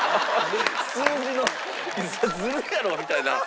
数字のそれずるいやろ！みたいな。